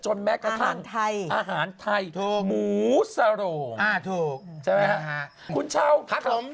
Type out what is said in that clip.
จนแม้กระทั่งอาหารไทยหมูสะโรงใช่ไหมครับคุณเช่าครับผม